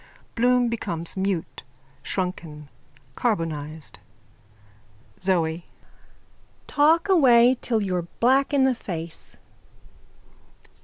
Bloom becomes mute, shrunken, carbonised.)_ ZOE: Talk away till you're black in the face.